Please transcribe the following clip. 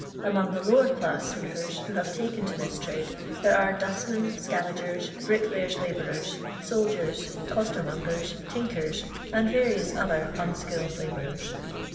Among the lower clai'S sweepers who have taken to this trad< , there are dustmen, scavag rs, bricklayrri* labourers, soMiers. costt r mongers, tinkers, and various other unskilled labouHTs.